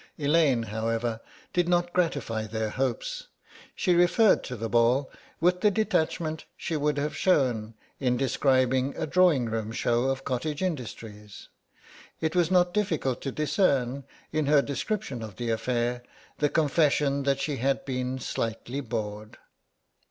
Elaine, however, did not gratify their hopes; she referred to the ball with the detachment she would have shown in describing a drawing room show of cottage industries. It was not difficult to discern in her description of the affair the confession that she had been slightly bored.